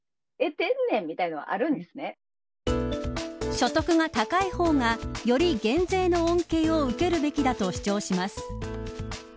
所得が高い方がより減税の恩恵を受けるべきだと主張します。